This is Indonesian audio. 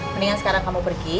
mendingan sekarang kamu pergi